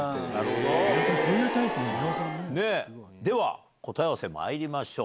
では答え合わせまいりましょう。